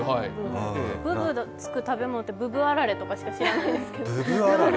ぶぶのつく食べ物ってぶぶあられくらいしか知らないんですけど。